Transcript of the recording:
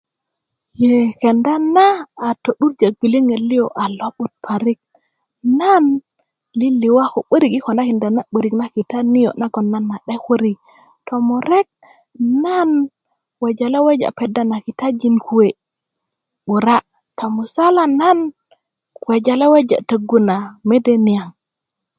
ee kenda na a 'durjö gwiliŋet lio lo a lo'but parik nan liliwa i ko'börik i konakinda na 'börik na kita niö nagan nan a 'dekuri tomurek nan wejale weja' peda na kitajin kwe'bura' tomusala nan wejale' weja tögu na mede niyaŋ